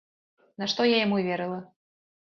Нашто я яму верыла?